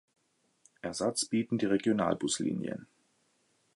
Ersatz bieten die Regionalbuslinien.